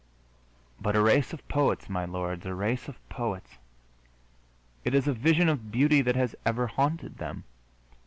But a race of poets, my lords, a race of poets! It is a vision of beauty that has ever haunted them.